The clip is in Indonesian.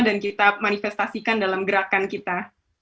dan kita manifestasikan dalam gerakan kita